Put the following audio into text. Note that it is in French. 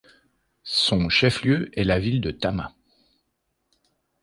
Son chef-Lieu est la ville de Tama.